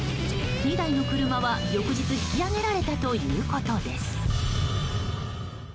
２台の車は、翌日引き揚げられたということです。